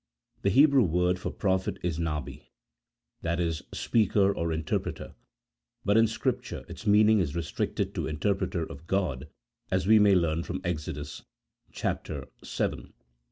The Hebrew word for prophet is " nabi" 1 i.e. speaker or interpreter, but in Scripture its meaning is restricted to in terpreter of God, as we may learn from Exodus vii.